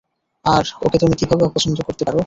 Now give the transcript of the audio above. আর, ওকে তুমি কীভাবে অপছন্দ করতে পারো?